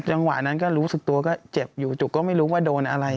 จังหวะนั้นก็รู้สึกตัวก็เจ็บอยู่จุกก็ไม่รู้ว่าโดนอะไร